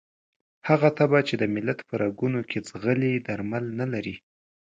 هغه تبه چې د ملت په رګونو کې ځغلي درمل نه لري.